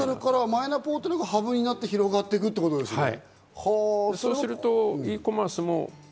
マイナポータルが幅になって広がっていくってことですね。